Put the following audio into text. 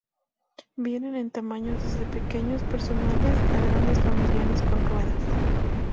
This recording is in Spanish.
Vienen en tamaños desde pequeños personales a grandes familiares con ruedas.